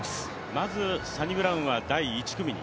まず、サニブラウンは第１組に。